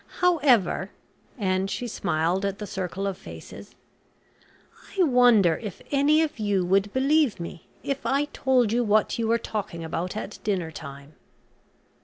However," and she smiled at the circle of faces, "I wonder if any of you would believe me if I told you what you were talking about at dinner time.